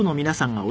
皆さん。